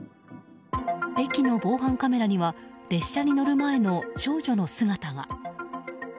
駅の防犯カメラには列車に乗る前の少女の姿が。